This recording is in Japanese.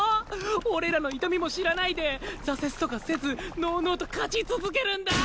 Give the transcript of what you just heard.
俺らの痛みも知らないで挫折とかせずのうのうと勝ち続けるんだ！